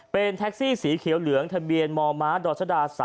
เป็นแท็กซี่สีเขียวเหลืองทะเบียนมมดรชดา๓